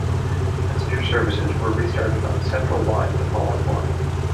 Passenger services were restarted on the Central line the following morning.